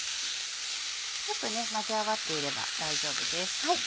ちょっと混ぜ合わっていれば大丈夫です。